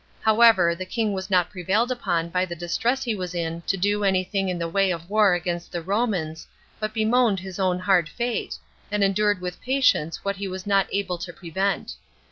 However, the king was not prevailed upon by the distress he was in to do any thing in the way of war against the Romans, but bemoaned his own hard fate, and endured with patience what he was not able to prevent.